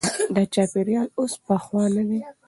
دا چاپیریال اوس پخوانی نه دی.